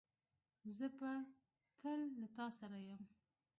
زه به تل له تاسره یم